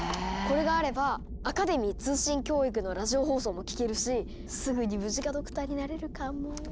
これがあれば「アカデミー通信教育」のラジオ放送も聴けるしすぐにムジカドクターになれるかも。